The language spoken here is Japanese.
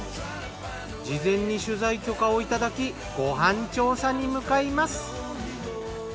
事前に取材許可をいただきご飯調査に向かいます。